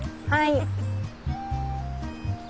はい。